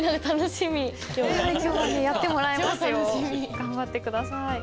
頑張って下さい。